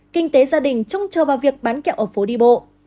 kinh tế gia đình trông chờ vào việc bán kẹo ở phố đi bộ